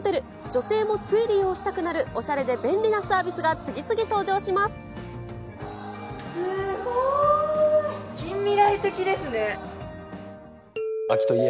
女性もつい利用したくなるおしゃれで便利なサービスが次々登場しすごーい。